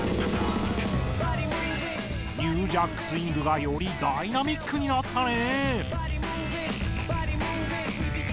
ニュージャックスイングがよりダイナミックになったね！